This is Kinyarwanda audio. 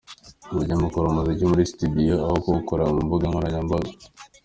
Mujye mukorera umuziki muri studio, aho kuwukorera ku mbuga nkoranyambaga.